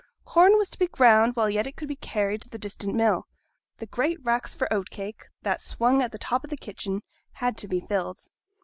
Corn was to be ground while yet it could be carried to the distant mill; the great racks for oat cake, that swung at the top of the kitchen, had to be filled.